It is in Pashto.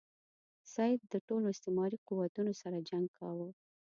سید د ټولو استعماري قوتونو سره جنګ کاوه.